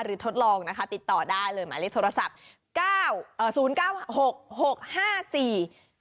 ทดลองนะคะติดต่อได้เลยหมายเลขโทรศัพท์เก้าเอ่อศูนย์เก้าหกหกห้าสี่